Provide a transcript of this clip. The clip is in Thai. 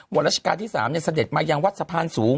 ว่าราชการที่๓เนี่ยเสด็จมายังวัดสะพานสูง